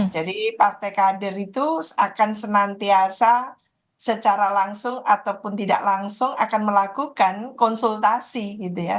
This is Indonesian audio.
jadi partai kader itu akan senantiasa secara langsung ataupun tidak langsung akan melakukan konsultasi gitu ya